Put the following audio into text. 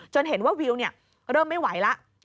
เห็นว่าวิวเริ่มไม่ไหวแล้ว